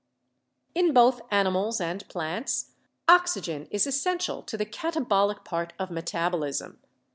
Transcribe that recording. In both animals and plants oxygen is essential to the katabolic part of metabolism.